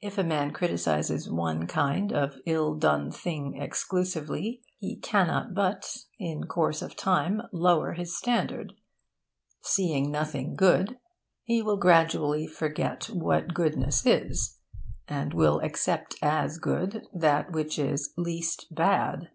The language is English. If a man criticises one kind of ill done thing exclusively, he cannot but, in course of time, lower his standard. Seeing nothing good, he will gradually forget what goodness is; and will accept as good that which is least bad.